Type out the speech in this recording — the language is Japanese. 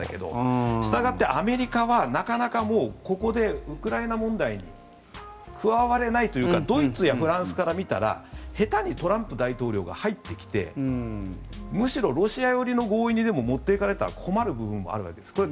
したがってアメリカはなかなかここでウクライナ問題に加われないというかドイツやフランスから見たら下手にトランプ大統領が入ってきてむしろロシア寄りの合意にでも持っていかれたら困る部分もあるわけです。